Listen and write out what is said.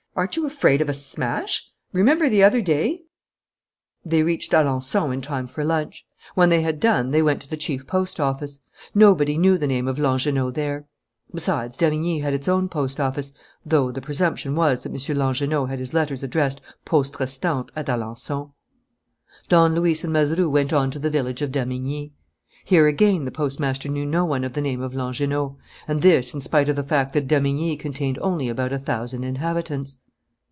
Aren't you afraid of a smash? Remember the other day " They reached Alençon in time for lunch. When they had done, they went to the chief post office. Nobody knew the name of Langernault there. Besides, Damigni had its own post office, though the presumption was that M. Langernault had his letters addressed poste restante at Alençon. Don Luis and Mazeroux went on to the village of Damigni. Here again the postmaster knew no one of the name of Langernault; and this in spite of the fact that Damigni contained only about a thousand inhabitants.